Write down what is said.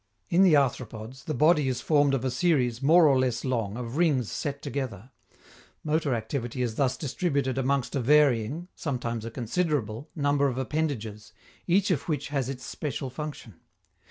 In the arthropods, the body is formed of a series more or less long of rings set together; motor activity is thus distributed amongst a varying sometimes a considerable number of appendages, each of which has its special function.